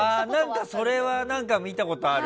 何かそれは見たことある！